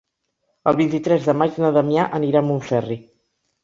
El vint-i-tres de maig na Damià anirà a Montferri.